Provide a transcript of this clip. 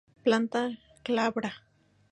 Planta glabra.